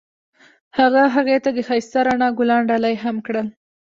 هغه هغې ته د ښایسته رڼا ګلان ډالۍ هم کړل.